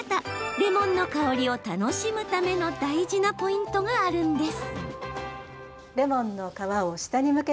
レモンの香りを楽しむための大事なポイントがあるんです。